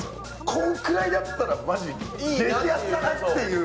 こんくらいだったら、マジいい安さだなっていう。